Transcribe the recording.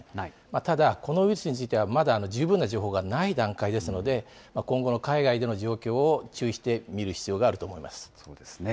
ただ、このウイルスについてはまだ十分な情報がない段階ですので、今後の海外での状況を注意して見る必要があると思います。